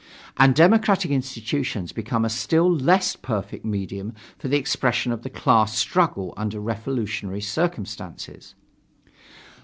And democratic institutions become a still less perfect medium for the expression of the class struggle under revolutionary circumstances.